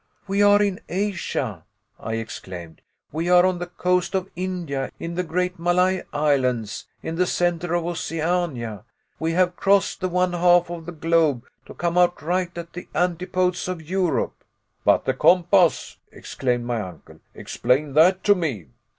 "We are in Asia!" I exclaimed; "we are on the coast of India, in the great Malay islands, in the centre of Oceania. We have crossed the one half of the globe to come out right at the antipodes of Europe!" "But the compass!" exclaimed my uncle; "explain that to me!"